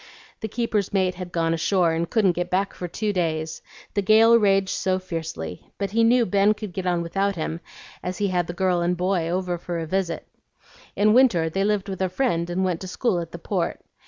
The keeper's mate had gone ashore and couldn't get back for two days, the gale raged so fiercely; but he knew Ben could get on without him, as he had the girl and boy over for a visit. In winter they lived with a friend and went to school at the Port.